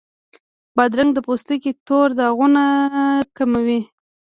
بادرنګ د پوستکي تور داغونه کموي.